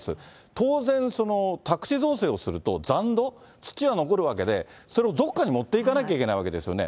当然、宅地造成をすると残土、土が残るわけで、それをどっかに持っていかなきゃいけないわけですよね。